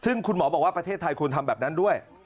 ซึ่งคุณหมอบอกว่าประเทศไทยควรทำแบบนั้นด้วย